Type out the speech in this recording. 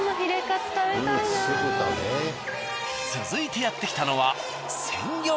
続いてやってきたのは。